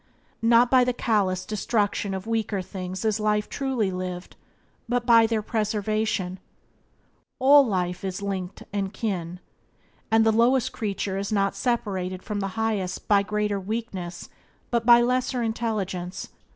Not by the callous of destruction of weaker things is life truly lived, but by their preservation: "All life Is linked and kin," and the lowest creature is not separated from the highest but by greater weakness, by lesser intelligence.